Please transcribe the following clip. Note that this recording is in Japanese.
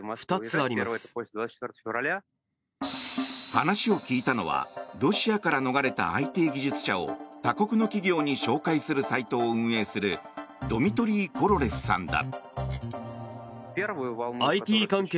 話を聞いたのはロシアから逃れたＩＴ技術者を他国の企業に紹介するサイトを運営するドミトリー・コロレフさんだ。